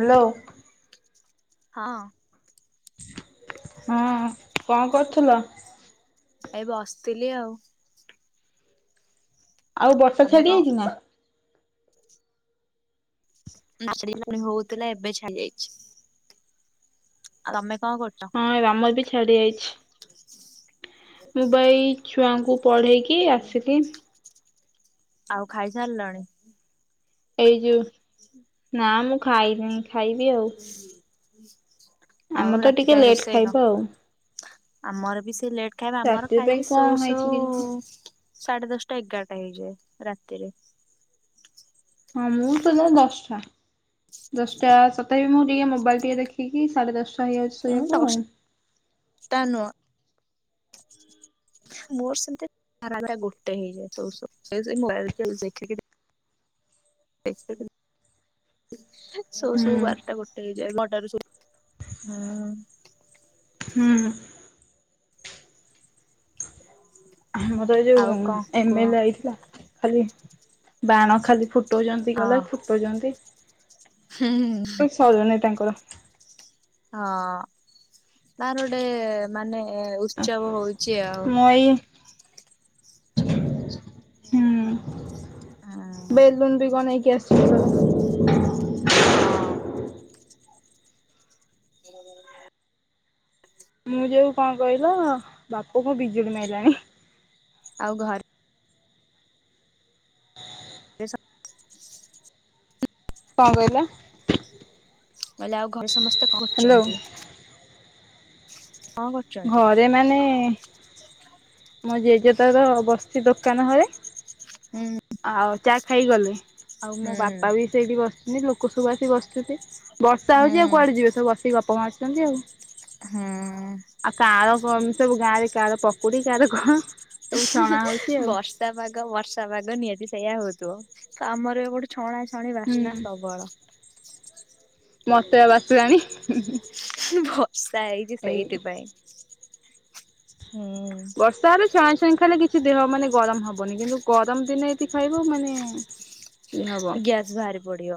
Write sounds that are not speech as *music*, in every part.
Hello ହଁ ହଁ କଣ କରୁଥିଲ? ଏ ବସିଥିଲି ଆଉ ଆଉ ବର୍ଷା ତମେ ଛାଡ଼ି ଯାଇଛି କଣ ନା? *inaudible* ନାସେଲି ହଉଥିଲା ଏବେ ଛାଡି ଯାଇଛି ଆଉ ତମେ କଣ କରୁଛ? ହଁ ଆମର ବି ଛାଡି ଯାଇଛି ମୁଁ ବା ଏଇ ଛୁଆଙ୍କୁ ପଢ଼େଇକି ଆସିଲି। ଆଉ ଖାଇସାରିଲଣି? ଏଇ ଯୋଉ ନା ମୁଁ ଖାଇନି ଖାଇବି ଆଉ ହୁଁ *inaudible* ଆମର ତ ଟିକେ ଲେଟ୍ ଖାଇବା ଆଉ। ଆମର ବି ସେ ଲେଟ୍ ଖାଇବା ଆମର ରାତି ପାଇଁ ଖାଇକି କଣ ଶୋଉ ହେଇଛି କେଜାଣି? ଶୋଉ ସାଢେ଼ ଦଶଟା ଏଗାରଟା ହେଇଯାଏ ରାତିରେ ହଁ ମୁଁ ଶୋଇଲା ବେଳକୁ ଦଶଟା। ଦଶଟା ସତଥାପି ମୁଁ ଟିକେ ମୋବାଇଲ୍ ଟିକେ ଦେଖିକି ସାଢେ଼ ଦଶ ହଁ ଦଶ ଟା ନୁହଁ। ମୋର ସେମିତି ରା ଗୋଟେ ହେଇଯାଏ ଶୋଇ ଶୋଇ ମୋବାଇଲ ଦେଖି *unintelligible* ସବ ସବ ହୁଁ ବାରଟା ଗୋଟେ ହେଇଯାଏ ନଅଟ ର ସ ହଁ *inaudible* ହୁଁ। ହୁଁ ଯୋଉ ଆଉ କଣ ଏମ କୁହ ଏଲ ଏ ଆଇଥିଲା ଖାଲି ବାଣ ଖାଲି ଫୁଟଉଛନ୍ତି କହିଲ କଉଛନ୍ତି। ହଁ ସରିନେଇ ତାଙ୍କର। ହଁ ତାର ଗୋଟେ ମାନେ ଉ ମଇ *unintelligible* *unintelligible* ହଁ। ଲୁ *unintelligible* ବି କଣ ନେଇକି ଆସି *inaudible* ହଁ *unintelligible* ମୁଁ ଯୋଉ କଣ କହିଲ ବାପୁ କୁ ବିଜୁଳି ମାଇଲାଣି। ଆଉ ଘର *unintelligible* ସେ *unintelligible* କଣ କହିଲ? କହିଲି ଆଉ ଘରେ ସମସ୍ତେ କଣ ହ୍ୟାଲୋ କରୁଛନ୍ତି? କଣ କର ଘରେ ମାନେ ମୋ ଜେଜେ ତାର ବସିଛି ଦୋକାନ ଘରେ ହୁଁ। ଆଉ ଚା ଖାଇଗଲେ ଆଉ ମୋ ହୁଁ ବାପା ବି ସେଇଠି ବସିଛନ୍ତି ଲୋକ ସବୁ ଆସି ବସିଛନ୍ତି ବର୍ଷା ହଉଛି ହୁଁ ଆଉ କୁଆଡେ ଯିବେ ସବୁ ବସିକି ଗପ ମାରୁଛନ୍ତି ଆଉ ହଁ। ଆଉ କାଆଳ କ ସବୁ ଗାଁ ରେ କାହାର ପକୁଡି କାହାର କଣ ସବୁ ଛଣା ହଉଛି ଆଉ। ବର୍ଷା ପାଗ ବର୍ଷା ପାଗ ନିହାତି ସେଇୟା ହଉଥିବ ତ ଆମର ଏ ଗୋଟେ ଛଣା ଛଣି ହୁଁ ବାସ୍ନା ସବଳ। ମତେ ବା ବାସିଲାଣି। ବର୍ଷା ହେଇଛି ଏଇ ସେଇଥିପାଇଁ। ହୁଁ ବର୍ଷାରେ ଛଣାଁ ଛଇଁ ଖାଇଲେ କିଛି ଦେହ ମାନେ ଗରମ ହେବନି କିନ୍ତୁ ଗରମ ଦିନେ ଏଇଠି ଖାଇବୁ ମାନେ *unintelligible* ଇଏ ହବ ଗ୍ୟାସ ବାହାରି ପଡିବ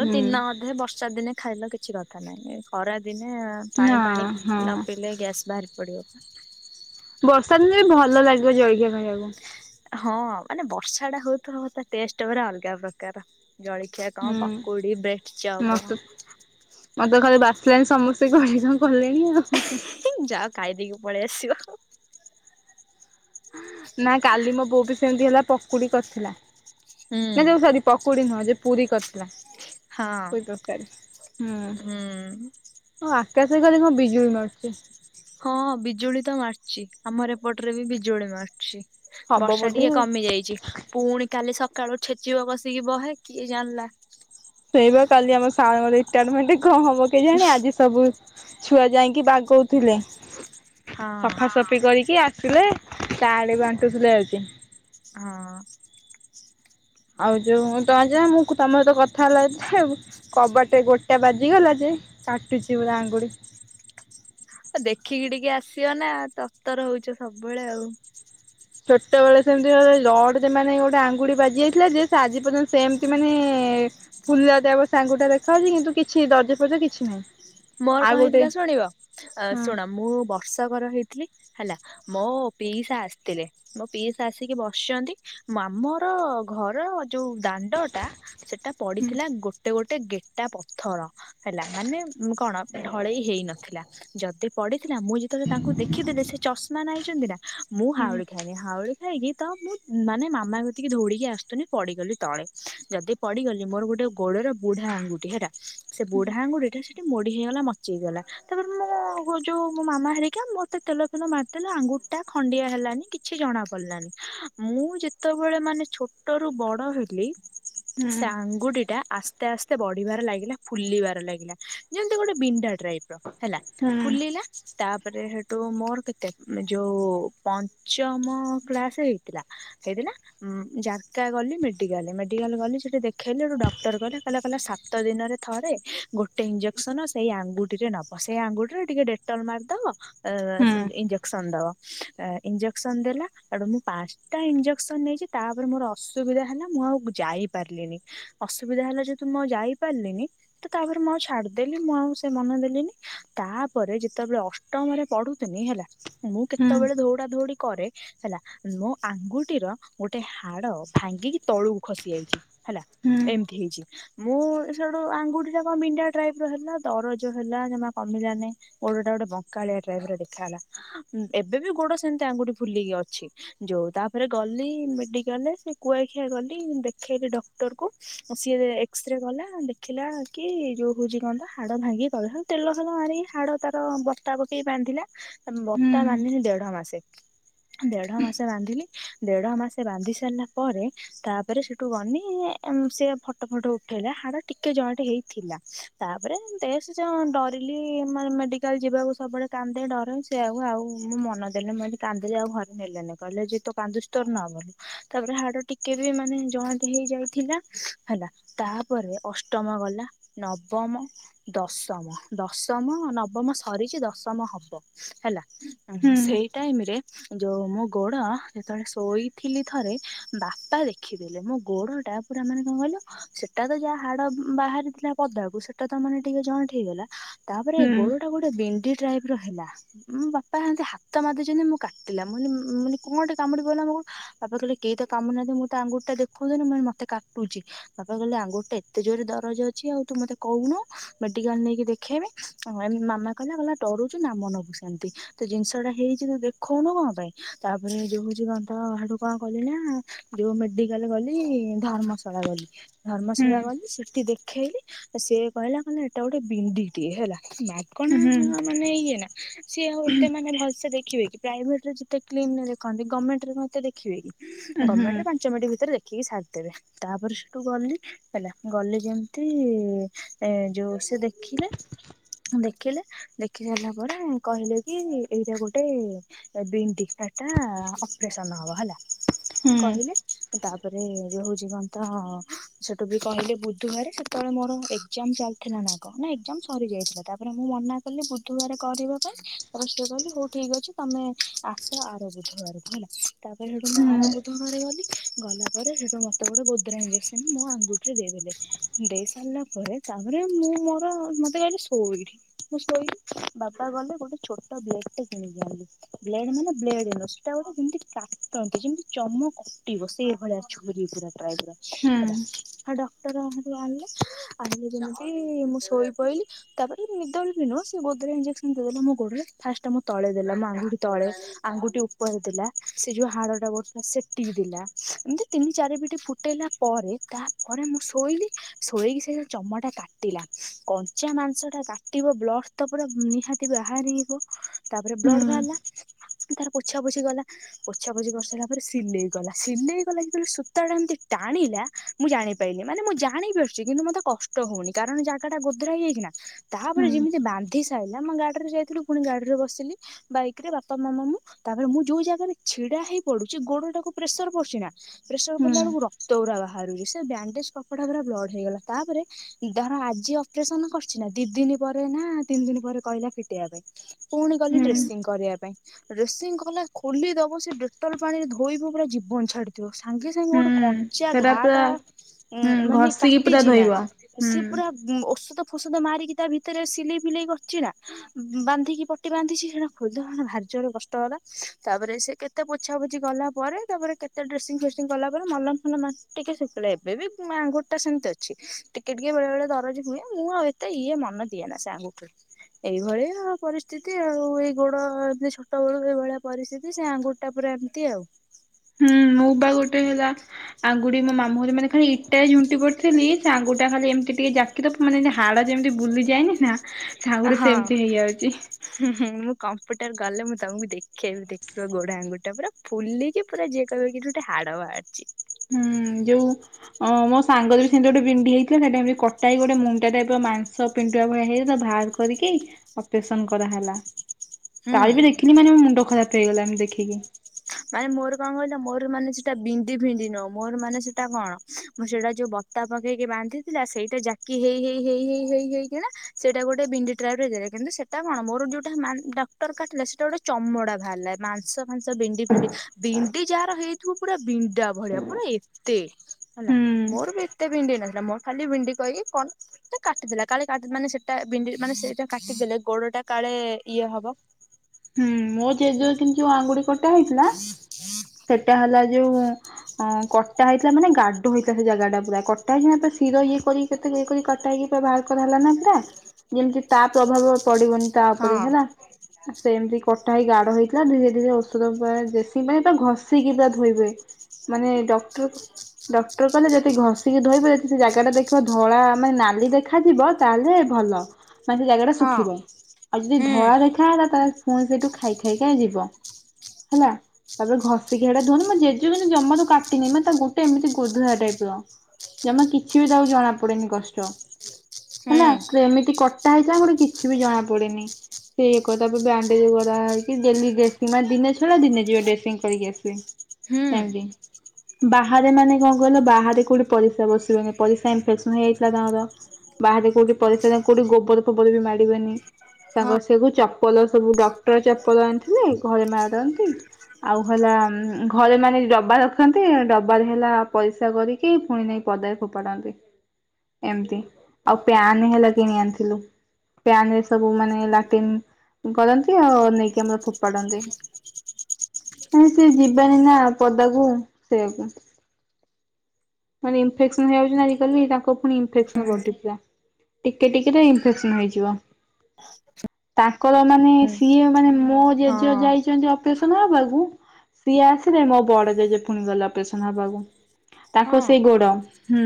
ହୁଁ ଦିନ ଅଧେ ବର୍ଷା ଦିନେ ଖାଇଲ କିଛି କଥା ନାହିଁ ଖରାଦିନେ ନା ପାଣି ପାଣି ହଁ ନ ପିଇଲେ ଗ୍ୟାସ୍ ବାହାରି ପଡିବ। ବର୍ଷା ଦିନେ ବି ଭଲ ଲାଗିବ ଜଳଖିଆ ଖାଇବାକୁ। ହଁ ମାନେ ବର୍ଷାଟା ହଉଥିବ ତା ଟେଷ୍ଟ ପୁରା ଅଲଗା ପ୍ରକାର। ଜଳଖିଆ କଣ ହୁଁ ପାକୁଡି ବ୍ରେଡଚପ ମତେ ହବ। ମତେ ଘରେ ବାସିଲାଣି ସମସ୍ତେ କହିକି କଣ କଲେଣି ଆଉ ଯାଅ ଖାଇଦେଇକି ପଳେଇ ଆସିବ। ନା କାଲି ମୋ ବୋଉ ବି ସେମିତି ହେଲା ପକୁଡି କରିଥିଲା। ହୁଁ ନା ଯଉ ସରି ପକୁଡି ନୁହଁ ଯେ ପୁରୀ କରିଥିଲା। ହଁ ପୁରୀ ତରକାରି ହୁଁ। ଓହ ଆକାଶ ଗଲେ କଣ ବିଜୁଳି ମାରୁଛି। ହଁ ବିଜୁଳି ତ ମାରୁଛି ଆମର ଏପଟରେ ବି ବିଜୁଳି ମାରୁଛି। ହବ ବର୍ଷା ବୋଧେ ଟିକେ ଆଉ କମି ଯାଇଛି। ପୁଣି କାଲି ସକାଳୁ ଛେଚିବ କସିକି ବହେ କିଏ ଜାଣିଲା। ସେଇପା କାଲି ଆମ ସାରଙ୍କ ରିଟାୟାରମେଣ୍ଟ କଣ ହବ କେଜାଣି ଆଜି। ସବୁ ଛୁଆ ଯାଇକି ବାଗଉଥିଲେ ହଁ ସଫାସଫା। କରିକି ଆସିଲେ ତାଳି ବାଣ୍ଟୁଥିଲେ ଆଜି। ହଁ। ଆଉ ଯୋଉ ତମେ ଜା ମୁଁ ତମ ସହିତ କଥା ହେଲା। କବାଟ ଗୋଡଟା ବାଜିଗଲା ଯେ କାଟୁଚି ପୁରା ଆଙ୍ଗୁଳି। ଆଉ ଦେଖିକି ଟିକେ ଆସିବ ନା ତତର ହଉଛ ସବୁବେଳେ ଆଉ। ଛୋଟ ବେଳେ ସେମିତି ଗୋଟେ ରଡ଼ ମାନେ ଗୋଟେ ଆଙ୍ଗୁଡି ବାଜି ଯାଇଥିଲା ଯେ ଆଜି ପର୍ଯ୍ୟନ୍ତ ସେମିତି ମାନେ। ଫୁଲ ଦାଗ ସେ ଆଙ୍ଗୁଠିଟା ଦେଖାହାଉଉଛି କିନ୍ତୁ ଦରଜ ଫରଜ କିଛି ନାହିଁ। ମୋର ଆଉ କଣ ଗୋଟେ ହେଇଥିଲା ଶୁଣିବ ହଁ ଶୁଣ ମୁଁ ବର୍ଷକର ହେଇଥିଲି ହେଲା। ମୋ ପିଇସା ଆସିଥିଲେ। ମୋ ପିଇସା ଆସିକି ବସିଛନ୍ତି। ଆମର ଘର ଯୋଉ ଦାଣ୍ଡ ଟା। ସେଟା ହୁଁ ପଡିଥିଲା ଗୋଟେ ଗୋଟେ ଗେଟା ପଥର ହେଲା ମାନେ। କଣ ଢଳେଇ ହେଇ ନଥିଲା। ଯଦି ପଢିଥିଲା ମୁଁ ଯେତେବେଳେ ତାଙ୍କୁ ଦେଖିଦେଲେ ସେ ଚଷମା ନାଇଛନ୍ତି ନା। ମୁଁ ହୁଁ ହାଉଳି ଖାଇନି ହାଉଳି। ଖାଇକି ତ ମୁଁ ମାନେ ମାମା କତିକି ଧୌଡିକି ଆସୁଥିଲି ପଡିଗଲି ତଳେ ଯଦି। ପଡିଗଲି ମୋର ଗୋଟେ ଗୋଡର ବୁଢା ଆଙ୍ଗୁଠି। ହେଲା ସେ ବୁଢା ଆଙ୍ଗୁଠିଟା ସେ। ମୋଡି ହେଇଗଲା ମକଚି ହେଇଗଲା। ତାପରେ ମୁଁ ଯୋଉ ମୋ ମାମା ହେରିକା ମୋତେ ତେଲ। ତେଲ ଫେଲ ମାରିଦେଲେ ଆଙ୍ଗୁଠିଟା ଖଣ୍ଡିଆ ହେଲାନି କିଛି ଜଣା ପଡ଼ିଲାନି ମୁଁ ଯେ। ଯେତେବେଳେ ମାନେ ଛୋଟରୁୁ ବଡ ହେଲି। ସେ ହୁଁ ଆଙ୍ଗୁଠିଟା ଆସ୍ତେ ଆସ୍ତେ ବଢିବାର ଲାଗିଲା ଫୁଲିବାର ଲାଗିଲା। ଯେମିତି ଗୋଟେ ବିଣ୍ଡା ଟାଇପର ହେଲା। ହୁଁ ଫୁଲିଲା। ତାପରେ ସେଠୁ ମୋର କେତେ ଯୋଉ ପଞ୍ଚମ କ୍ଳାସ ହେଇଥିଲା। ହେଇଥିଲା। ହ୍ନୁ ଜାରକା ଗଲି ମେଡିକାଲ। ମେଡିକାଲ ଗଲି ସେଠି ଦେଖେଇଲି ହେଠୁ ଡକ୍ଟର କହିଲା ସାତ। ସାତ ଦିନରେ ଥରେ ଗୋଟେ। ଗୋଟେ ଇଞ୍ଜେକ୍ସନ ସେଇ ଆଙ୍ଗୁଠରେ ନବ। ସେଇ ଆଙ୍ଗୁଠରେ ଟିକେ ଡେଟଲ ମାରିଦବ। ହୁଁ ଇଞ୍ଜେକ୍ସନ ଦବ। ଇଞ୍ଜେକ୍ସନ ଦେଲା ହେଠୁ ମୁଁ ପାଁ। ଟା ଇଞ୍ଜେକ୍ସନ ନେଇଛି ତାପରେ ମୋର ଅସୁବିଧା ହେଲା ମୁଁ ଆଉ ଯାଇ ପାରିଲିନି। ଅସୁବିଧା ହେଲା ଯେହେତୁ ମୁଁ ଆଉ ଯାଇ ପାରିଲିନି ତ ତାପରେ ମୁଁ ଆଉ। ଛାଡିଦେଲି ମୁଁ ଆଉ ସେ ମନ ଦେଲିନି ତାପରେ ଯେତେବେଳେ ଅଷ୍ଟମରେ ପଢୁଥିଲି ହେଲା। ମୁଁ ହୁଁ। କେତେବେଳେ ଦଉଡା ଦଉଡି। କରେ ହେଲା ମୋ ଆଙ୍ଗୁଠିର ଗୋଟେ ହାଡ ଭାଙ୍ଗିକି ତଳୁକୁ ଖସି ଯାଇଛି। ହେଲା ଏମିତି ହେଇଚି ମୁଁ ସେଠୁ ଆଙ୍ଗୁଠି ଟା କଣ ବିଣ୍ଣ୍ଡା ଟାଇପ ର ହେଲା ଦରଜ ହେଲା ଜମା କମିଲାନି। ଗୋଡଟା ଗୋଟେ ବଙ୍କାଳିଆ ଟାଇପ୍ ର ଦେଖା ହେଲା ଏବେ ବି ଗୋଡ ସେମିତି ଆଙ୍ଗୁଠି ଫୁଲିକି ଅଛି। ଯୋଉ ତାପରେ ଗଲି ମେଡିକାଲରେ ସେ କୁଆଖିଆ ଗଲି ଦେଖେଇଲି ଡକ୍ଟର କୁ ସିଏ ଏକ୍ସରେ କଲା ଦେଖିଲା କି ଯୋଉ ଉଛି କଣ ତ ହାଡ ଭାଙ୍ଗି ଗଲା ହୋଉ ତେଲ ଫେଲ ମାରିକି ହାଡ ତାର ବତା ବୁତି ବାନ୍ଧିଲା ବତ୍ତା ବାଧିନି ଦେଢ ମାସେ। ଦେଢ ମାସ ବାନ୍ଧିଲି ଦେଢ ମାସ ବାନ୍ଧି ସାରିଲା ପରେ ତାପରେ ସେଠୁ ଗନି ଏ ମ୍ ସେ ଫଟୋ ଫଟ ଉଠେଇଲା ହାଡ ଟିକେ ଜଏଣ୍ଟ ହେଇଥିଲା। ତାପରେ ଦେ ସେ ଯ ଡରିଲି ମାନେ ମେଡିକାଲ ଯିବାକୁ ସବୁବେଳେ କାନ୍ଦି ଡରେ ସେଆକୁ ଆଉ ମୁଁ ମନ ଦେଲେନି ମୁଁ ଯେନ୍ତି କାନ୍ଦିଲି ଆଉ ଘରେ ନେଲେନି କହିଲେ ଯେ ତୋର କାନ୍ଦୁ ତୋର ନ ଭଲ ହୋଉ। ତାପରେ ହାଡ ଟିକେ ବି ମାନେ ଜଏଣ୍ଟ ହେଇ ଯାଇଥିଲା ହେଲା। ତାପରେ ଅଷ୍ଟମ ଗଲା ନବ ନବମ ଦଶମ ଦଶମ ନବମ ସରିଚି ଦଶମ ହବ ହେଲା। ହୁଁ ସେଇ ଟାଇମ୍ ରେ ଯୋଉ ମୋ ଗୋଡ ଯେତେବେଳେ ଶୋଇଥିଲି ଥରେ ବାପା ଦେଖିଦେଲେ ମୋ ଗୋଡ ଟା ପୁରା ମାନେ କଣ କହିଲ ସେଟା ତ ଯାହା ହାଡ ବାହହାରି ଥିଲା ପଦାକୁ ସେଟା ତ ମାନେ ଟିକେ ଜଏଣ୍ଟ ହେଇଗଲା ତାପରେ ଗୋଡ ଟା ଗୋଟେ ଭେଣ୍ଡି ଟାଇପ୍ ରହିଲା ମୋ ବାପା ହେନ୍ତି ହାତ ମାରଦେଇଚନ୍ତି ମୁଁ କାଟିଲା ମୁଁ କହିଲି ମୁଁ କହିଲି କଣ ଗୋଟେ କାମୁଡି ପକେଇଲା ମୋ ବାପା କହିଲେ କେହି ତ କାମୁନାହାନ୍ତି ମୁଁ ତ ଆଙ୍ଗୁଟା ଦେଖୁଥିନି ମୁଁ କହିଲି ମତେ କାଟୁଚି। ବାପା କହିଲେ ଆଙ୍ଗୁଠି ଟା ଏତେ ଜୋର ଦରଜ ଅଛି ଆଉ ତୁ ମତେ କହୁନୁ ମେଡିକାଲ ନେଇକି ଦେଖେଇବି ଏ ମାମା କହିଲା କହିଲା ଡରୁଚି ନାମ ମମୁ ସେମିତି। ତ ଜିନିଷ ଟା ହେଇଚି ତୁ ଦେଖଉନୁ କଣ ପାଇଁ ତାପରେ ଯୋଉ ହଉଚି କଣ ତ ହେଟୁ କଣ କଲି ନା ଯୋଉ ମେଡିକାଲ ଗଲି ଧର୍ମଶାଳା ଗଲି ଧର୍ମଶାଳା ଗଲି ସେଠି ଦେଖେଇଲି ସିଏ କହିଲା କହିଲା ଏଟା ଗୋଟେ ବିଣ୍ଡିଟିଏ ହେଲା ମାଗଣା ମାନେ ଇଏ ନା ସିଏ ଆଉ ଏତେ ମାନ ଭଲସେ ଦେଖିବେ କି ପ୍ରାଇଭେଟ୍ ରେ ଯେତେ କ୍ଲିନ୍ ରେ ଦେଖନ୍ତି ଗମେଣ୍ଟ ରେ ଦେଖିବେ କି ଗମେଣ୍ଟ ରେ ପାଞ୍ଚ ପଞ୍ଚ ମିନିଟ୍ ଭିତରେ ଦେଖିକି ସାରିଦେବେ ତାପରେ ସେଠୁ ଗଲି ହେଲା ଗଲି ଯେମିତି ଏ ଯୋଉ ସେ ଦେଖିଲେ ଦେଖିଲେ ଦେଖି ସାରିଲା ପରେ କହିଲେ କି ଏଇଟା ଗୋଟେ ବିଣ୍ଡି ଏଟା ଅପ୍ରେସନ୍ ହବ ହେଲା କହିଲେ ତାପରେ ଇଏ ହଉଚି କଣ ତ ସେଠୁ ବି କହିଲେ ବୁଧୁବାରେ ସେତେବେଳେ ମୋର ଏ ଏଗଜାମ୍ ଚାଲିଥିଲା ନା କଣ ନା ଏଗଜାମ୍ ସରି ଯାଇଥିଲା ତାପରେ ମୁଁ ମନା କଲି ବୁଧୂବାରେ କରିବା ପାଇଁ। ତା ପରେ ସିଏ କହିଲି ହଉ ଠିକ ଅଛି ତମେ ଆସ ଆର ବୁଧୁବାରକୁ ହେଲା। ତାପରେ ହେଠୁ ମୁଁ ଆର ବୁଧବାରେ ଗଲି ଗଲା ପରେ ସେଠୁ ମତେ ଗୋଟେ ଗୋଦ୍ରା ଇଞ୍ଜେସନ୍ ମୋ ଆଙ୍ଗୁଠି ରେ ଦେଇଦେଲେ ଦେଇ ସାରିଲା ପରେ ତାପରେ ମୁଁ ମୋର ମତେ କହିଲେ ସୋ ଏଇଠି ମୁଁ ଶୋଇଲି ବାପା ଗଲେ ଗୋଟେ ଛୋଟ ବ୍ଲେଡ଼ ଟେ କିଣିକି ଆଣିଲେ। ବ୍ଲେଡ ମାନେ ବ୍ଲେଡ଼ ନୁହଁ ସେଟା ଗୋଟେ ଯେମିତି କାଟନ୍ତି ଯେମିତି ଚମ କଟିବ ସେଇଭଳିଆ ଛୁରୀ ପୁରା। ଟାଇପ୍ ର ହେଲା ହେଟୁ ଡକ୍ଟର ହେଟୁ ଆଣିଲେ ଆଣିଲେ ଯେମିତି ମୁଁ ଶୋଇପଇଲି ତାପରେ ନିଦରେ ବି ନୁହଁ ସେ ଗୋଦରା ଇଞଜେସନ୍ ଦେଇଦେଲା ମୋ ଗୋଡରେ ଫାଷ୍ଟଟା ମୋ ତଳେ ଦେଲା ମୋ ଆଙ୍ଗୁୁଠି ତଳେ ଆଙ୍ଗୁଠି ଉପରେ ଦେଲା ସେ ଯୋଉ ହାଡ ଟା ବଢ଼ିଥିଲା ସେଟି ଦେଲା ଏମିତି ତିନି ଚାରି ପିଠି ଫୁଟେଇଲା ତା ପରେ ତାପରେ ମୁଁ ଶୋଇଲି ଶୋଇକି ସେ ଚମଟା କାଟିଲା। କଞ୍ଚା ମାଂସ ଟା କାଟିବ ବ୍ଲସ୍ ତ ପୁରା ନିହାତି ବାହାରିଇବ। ତାପରେ ବ୍ଲଡ୍ ଭାଆରିଲା। ତାର ପୋଛା ପୋଛି ଗଲା। ପୋଛା ପୋଛି କରିସାଇଲା ପରେ ସିଲେଇ ଗଲା ସିଲେଇ କଲା ଯେତବେଳେ ସୂତା ଟା ଏମିତି ଟାଣିଲା ମୁଁ ଜାଣିପାଇଲି। ମାନେ ମୁଁ ଜାଣି ପାରୁଚି କିନ୍ତୁ ମତେ କଷ୍ ଟ ହଉନି କାରଣ ଜାଗା ଟା ଗୋଦରା ହେଇଯାଇଚି ନା ତାହାପରେ ଯେମିତି ବାନ୍ଧି ସାଇଲା ଆମ ଗାଡିରେ ଯାଇଥିଲୁ ପୁଣି ଗାଡି ରେ ବସିଲି ବାଇକ୍ ରେ ବାପା ମାମା ମୁଁ ତାପରେ ମୁଁ ଯୋଉ ଜାଗାରେ ଛିଡା ହେଇ ପଡ଼ୁଚି ଗୋଡଟାକୁ ପ୍ରେସର୍ ପସୁଚି ନା ପ୍ରେସର୍ ପଡିଲା ବେଳକୁ ରକ୍ତ ଗୁରା ବାହାରୁଚି ସେ ବ୍ୟାଣ୍ଡେଜ୍ କପଡା ଗୁରା ବ୍ଲଡ଼ ହେଇଗଲା ତାପରେ ଧର ଆଜି ଅପରେସନ କରିଛି ନା ଦି ଦିନି ପରେ ନା ତିନି ଦିନି ପରେ କହିଲା ଫିଟିଇଆ ପାଇଁ। ପୁଣି ଗଲି ଡ୍ରେସିଂ କରିଆ ପାଇଁ। ଡ୍ରେସିଂ କଲେ ଖୋଲି ଦବ ସେ ଡେଟଲ୍ ପାଣିରେ ଧୋଇବୁ ପୁରା ଜୀବନ ଛାଡି ତୁ ସାଙ୍ଗେ ସାଙ୍ଗେ ଗୋଟେ କଞ୍ଚା ଘା ଟା ଉଁ ମାନେ କାଟିଚି ନା ସିଏ ପୁରା ଉମ୍ ଔଷଧ ଫୋଷଧ ମାରିକି ତା ଭିତେରେ ସିଲେଇ ଫିଲେଇ କରିଚି ନା ବାନ୍ଧିକି ପଟି ବାନ୍ଧିଛି ସେଟା ଖୋଲିହଉନି ଭାରିଜୋରରେ କଷ୍ଟ ହେଲା ତାପରେ ସେ କେତ୍ କେତେ ପୋଛାପୋଛି କଲା ପରେ ତାପରେ କେତେ ଡ୍ରେସିଂ ଫ୍ରେସିଂ କଲା ପରେ ମଲମ ଫଲମ୍ ନା ଟିକେ ଶୁ *unintelligible* ଏବେ ବି ମୋ ଆଙ୍ଗୁଟିଟା ସେମତି ଅଛି। ଟିକେ ଟିକେ ବେଳେ ବଳେ ଦରଜ ହୁଏ ମୁଁ ଆଉ ଏତେ ଇଏ ମନ ଦିଏ ନା ସେ ଆଙ୍ଗୁଠି *unintelligible* ଏଇଭଳିଆ ପରିସ୍ଥିତି ଆଉ ଏଇ ଗୋଡ ଏମତି ଛୋଟ ବେଳୁ ଏଇଭଳିଆ ପରିସ୍ଥିତି ସେ ଆଙ୍ଗୁଟ୍ ଟା ପୁରା ଏମତି ଆଉ। ହୁଁ ମୋ ବା ଗୋଟେ ହେଲା। ଆଙ୍ଗୁଟି ମୋ ମାମୁଁ ଘରେ ମାନେ ଖାଲି ଇଟା ଝୁଣ୍ଟି ପଡିଥିଲି ସେ ଆଙ୍ଗୁଟିଟା ଖାଲି ଏମତି ଟିକେ ଜାକ୍ କି ଦବୁ ମାନେ *unintelligible* ହାଡ଼ ଯେମତି ବୁଲିଯାଏନି ନା ସେ ଆଙ୍ଗୁଠି ହଁ ସେମିତି ହେଇଯାଉଛି ଉଁ ହୁଁ ମୁଁ କମ୍ପ୍ୟୁଟର ଗଲେ ମୁଁ ତମକୁ ଦେଖ୍ *unintelligible* ଦେଖିବ ଗୋଡ ଆଙ୍ଗୁଟିଟା ପୁରା ଫୁଲିକି ପୁରା ଯିଏ କହିବ କି ଏଠି ଗୋଟେ ହାଡ଼ ବାହାରିଚି। ହୁଁ ଯୋଉ ହଁ ମୋ ସାଙ୍ଗର ବି ସେମତି ଗୋଟେ ବିଣ୍ଡି ହେଇଥିଲା ନା ଟାଇମ୍ ରେ କଟା ହେଇ ଗୋଟେ ମୁଣ୍ଡା ଟାଇପ୍ ର ମାଂସ ପିଣ୍ଡୁଳା ଭଳିଆ *unintelligible* କରିକି ଅପରେସନ୍ କରାହେଲା। ହୁଁ। ତାର ବି ଦେଖିଲି ମାନେ ମୋ ମୁଣ୍ଡ ଖରାପ୍ ହେଇଗଲା ଏମନି ଦେଖିକି। ମାନେ ମୋର କଣ କହିଲ ମୋର ମାନେ ସେଟା ବିଣ୍ଡି ଫିଣ୍ଡି ନୁହଁ ମୋର ମାନେ ସେଟା କଣ ମୁଁ ସେଇଟା ଯୋଉ ବ ତା ପକେଇକି ବାନ୍ଧିଥିଲା ସେଇଟା ଜାକି ହେଇ ହେଇ ହେଇ ହେଇ ହେଇ ହେଇକିନା ସେଇଟା ଗୋଟେ ବିଣ୍ଡି ଟ୍ରାଇପ୍ ରେ ଦେଲେ କିନ୍ତୁ ସେ ତା କଣ ମୋର ଯୋଉଟା ମାନ୍ ଡକ୍ଟର କାଟିଲେ ସେଟା ଗୋଟେ ଚମଡା ବାହାରିଲା ମାଂସ ଫାଂସ ବିଣ୍ଡି ବିଣ୍ଡି ବିଣ୍ଡି ଯାହାର ହେଇଥିବ ପୁରା ବିଣ୍ଡା ଭଳିଆ ପୁରା ଏତେ ହେଲା ହୁଁ ମୋର ବି ଏତେ ବିଣ୍ଡି ହେଇନଥିଲା ମୋର ଖାଲି ବିଣ୍ଡି କହକି କନ୍ ସେ କାଟିଦେଲା କାଳେ କାଟି ମାନେ ସେଟା ବିଣ୍ଡି ମାନେ ସେଇଟା କାଟିଦେଲେ ଗୋଡଟା କାଳେ ଇଏ ହବ? ହୁଁ ମୋ ଜେଜେ କିନ୍ତୁ ଆଙ୍ଗୁଡି କଟା ହେଇଥିଲା ସେଟା ହେଲା ଏ ଯୋଉ ଅଁ କଟା ହେଇଥିଲା ମାନେ ଗାଡ ହେଇଥିଲା ସେ ଜାଗା ଟା ପୁରା କଟା *unintelligible* ଶିର ଇଏ କରି କେତେ ଇଏ କରି କଟା ହେଇକି ପୁରା ବାହାର କରା ହେଲା ନା ପୁରା ଯେମିତି ତା ପ୍ରଭାବ ପଡିବନି ତା ହଁ ଉପରେ ହେଲା ସେମତି କଟା ହେଇ ଗାଡ ହୋଇଥିଲା ମୁଁ ଏ ଯୋଉ ଔଷଧ *unintelligible* ଦେଶୀ ମାନେ ତାକୁ ଘଷିକି ପୁରା ଧୋଇବେ। ମାନେ ଡକ୍ଟର ଡକ୍ଟର କହିଲେ ଯେତିକି ଘଷିକି ଧୋଇବେ ଯଦି ସେ ଜାଗା ଟା ଦେଖିବ ଧଳା ମାନେ ନାଲି ଦେଖାଯିବ ତାହେଲେ ଭଲ ମାନେ ସେ ଜାଗା ଟା ହଁ ଶୁଖିବ ଆଉ ଯଦି ହୁଁ ଧଳା ଦେଖାହେଲା ତାହାଲ୍ ପୁଣି ସେଟୁ ଖାଇ ଖାଇକା ଯିବ ହେଲା। ତାପରେ ଘଷିକି ହେଇଡା ଧୁଅନ୍ତି। ମୋ ଜେଜେ *unintelligible* ଜମାରୁୁ କାଟିନି ମୁଁ *unintelligible* ତାଙ୍କ ଗୋଟେ ଏମିତି ଗୋଧୋରା ଟାଇପ୍ ର ଜମା କିଛି ବି ତାଙ୍କୁ ଜଣା ପଡେନି କଷ୍ଟ। ହୁଁ ହେଲା। ପୁରା ଏମିତି କଟା ହେଇଥିଲା ଯେ ଗୋଟେ କିଛି ବି ଜଣା ପଡନି। ଏଇ କଦାବି ବ୍ୟାନ୍ ବ୍ୟାଣ୍ଡେଜ୍ କରା ହେଇକି ଡେଲି ଡେସ୍ ଦିନେ ଛଡା ଦିନେ ଯିବେ ଡେସିଙ୍ଗ୍ କରିକି ଆସିବେ। ହୁଁ। ଏମିତି। ବାହାରେ ମାନେ କଣ କଇଲ ବାହାରେ କୋଉଠି ପରିସ୍ରା ବସିବେନି ପରିସ୍ରା ଇନଫେକ୍ସନ୍ ହେଇଯାଇଥିଲା ତାଙ୍କର। ବାହାରେ କୋଉଠି ପରିସ୍ରା କୋଉଠି ଗୋବର ଫୋବର ବି ମାଡିବେନି ହଁ ତାଙ୍କର ସବୁ ଚପଲ ସବୁ ଡକ୍ଟର ଚପଲ ଆଣିଥିଲେ ଘରେ ମାଡନ୍ତି। ଆଉ ହେଲା ଘରେ ମାନେ ଡବା ରଖନ୍ତି ଡବାରେ ହେଲା ପରିସ୍ରା କରିକି କି ଫୁଣି ନେଇ ପଦାରେ ଫୋପାଡନ୍ତି। ଏମିତି, ଆଉ ପ୍ୟାନ୍ ହେଲା କିଣି ଆଣିଥିଲୁ। ପ୍ୟାନ୍ ରେ ସବୁ ମାନେ ଲାଟିନ୍ କରନ୍ତି ଆଉ ନେଇକି ଆମର ଫୋପାଡ଼ନ୍ତି। କାଇନା ସେ ଯିବେନି ନା ପଦାକୁ ସେଇ ପାଇଁ। ମାନେ ଇଫେକ୍ସନ୍ ହେଇଯାଉଚି ନା ଆଜିକାଲି ତାଙ୍କପ୍ ପୁଣି ଇଫେକ୍ସନ୍ ବଡିପୁରା ଟିକେ ଟିକେ ରେ ଇଫେକ୍ସନ୍ ହେଇଯିବ। ଆଛା। କର ମାନେ ସିଏ ମାନେ ମୋ ଜେଜେ ହଁ ଯାଇଚନ୍ତି ଅଫ୍ ଅପ୍ରେସନ୍ ହବାକୁ ସିଏ ଆସିଲେ ମୋ ବଡ ଜେଜେ ଫୁଣି ଗଲେ ଅପ୍ରେସନ୍ ହବାକୁ। ତାଙ୍କର ହଁ ସେଇ ଗୋଡ। ହୁଁ।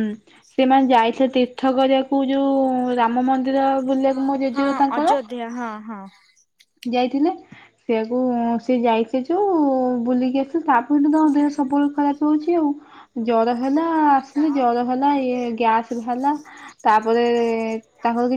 ସେମାନେ ଯାଇଥିଲେ ତୀର୍ଥ କରିଆକୁ ଯୋଉ ରାମ ମନ୍ଦିର ବୁଲିଆକୁ। ହଁ ଅଯୋଧ୍ୟା ହଁ ହଁ। ଯାଇଥିଲେ। ସେଇଆକୁ ସିଏ ଯାଇଚି ତ ଆଉ ବୁଲିକି ଆସିଲୁ ତାପର ତ ତାଙ୍କ ଦେହ ସବୁବେଳେ ଖରାପ୍ ହଉଚି ଆଉ। ଜଡ ହେଲା ଆସିଲି ଜର ହେଲା ଇଏ ଗ୍ୟାସ୍ ହେଲା ତାପରେ ତାଙ୍କର କିଛ୍